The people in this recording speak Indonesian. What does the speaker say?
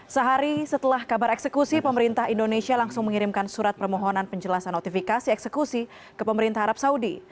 sehari setelah kabar eksekusi pemerintah indonesia langsung mengirimkan surat permohonan penjelasan notifikasi eksekusi ke pemerintah arab saudi